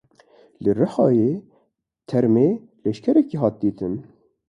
Li Rihayê termê leşkerekî hat dîtin.